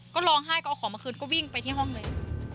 ก็ร้องไห้ก็เอาของมาคืนก็วิ่งไปที่ห้องเลย